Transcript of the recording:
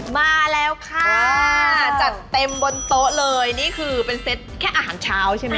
มาแล้วค่ะจัดเต็มบนโต๊ะเลยนี่คือเป็นเซตแค่อาหารเช้าใช่ไหม